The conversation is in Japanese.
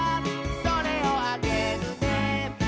「それをあげるね」